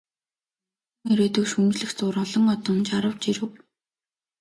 Өнгөрсөн ирээдүйг шүүмжлэх зуур олон одон жарав, жирэв.